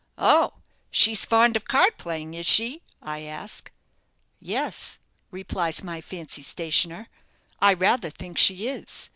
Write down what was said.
'Oh, she's fond of card playing is she?' I ask. 'Yes,' replies my fancy stationer, 'I rather think she is.